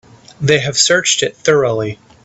They have searched it thoroughly.